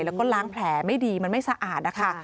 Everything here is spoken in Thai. แล้วก็ล้างแผลไม่ดีมันไม่สะอาดนะคะ